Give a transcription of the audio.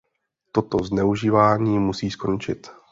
Toto zneužívání musí skončit.